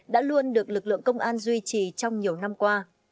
đã luôn được lực lượng công an duy trì trong nhiều năm qua